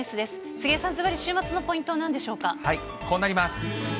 杉江さん、ずばり週末のポイントこうなります。